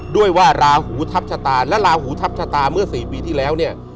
ด้วยว่าราหูทัพชะตาและลาหูทัพชะตาเมื่อ๔ปีที่แล้วเนี่ย